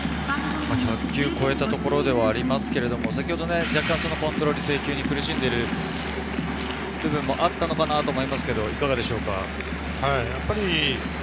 １００球を超えたところではありますけど、若干、コントロール、制球に苦しんでいる部分もあったのかなと思いますけど、いかがですか？